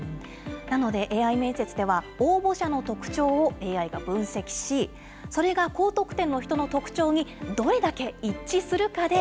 なので、ＡＩ面接では、応募者の特徴をＡＩが分析し、それが高得点の人の特徴にどれだけ一致するかで。